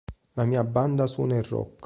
La mia banda suona il rock